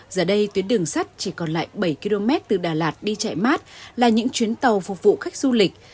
giờ đây tuyến đường sắt chỉ còn lại bảy km từ đà lạt đi chạy mát là những chuyến tàu phục vụ khách du lịch